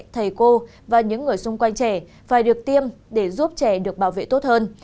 thầy cô và những người xung quanh trẻ phải được tiêm để giúp trẻ được bảo vệ tốt hơn